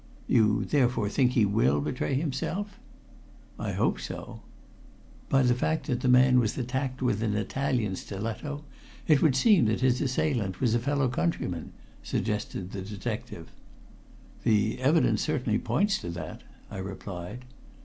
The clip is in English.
"You therefore think he will betray himself?" "I hope so." "By the fact that the man was attacked with an Italian stiletto, it would seem that his assailant was a fellow countryman," suggested the detective. "The evidence certainly points to that," I replied.